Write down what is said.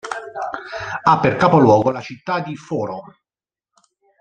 Ha per capoluogo la città di Foro.